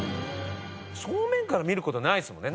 正面から見る事ないですもんね。